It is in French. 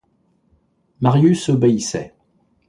Marius obéissait.